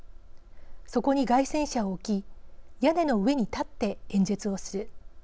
そこに街宣車を置き屋根の上に立って演説をする。